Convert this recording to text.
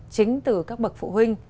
chính từ các bậc phụ huynh